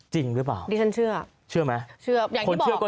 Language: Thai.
จริงหรือเปล่า